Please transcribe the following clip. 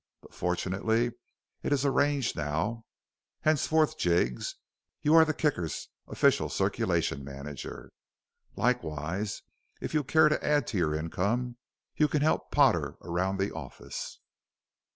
"But fortunately it is arranged now. Henceforth, Jiggs, you are the Kicker's official circulation manager. Likewise, if you care to add to your income, you can help Potter around the office."